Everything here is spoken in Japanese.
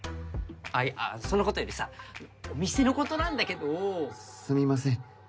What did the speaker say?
あそんなことよりさお店のことなんだけどすみません